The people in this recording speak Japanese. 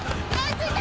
ついた！